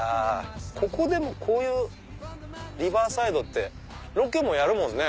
こういうリバーサイドってロケもやるもんね。